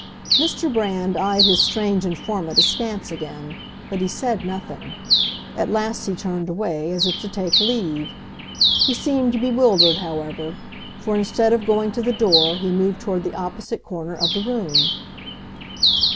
Mr. Brand eyed his strange informant askance again; but he said nothing. At last he turned away, as if to take leave. He seemed bewildered, however; for instead of going to the door he moved toward the opposite corner of the room.